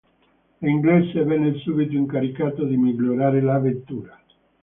L'inglese venne subito incaricato di migliorare la vettura.